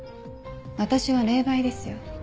私は霊媒ですよ。